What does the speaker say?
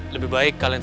lebih baik kalian sepakat